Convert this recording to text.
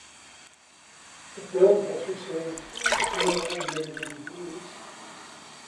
The film has received generally negative reviews.